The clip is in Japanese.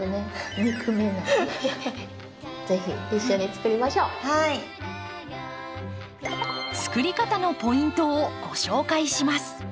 作り方のポイントをご紹介します。